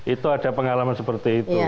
itu ada pengalaman seperti itu